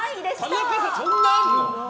田中さん、そんなにあるの？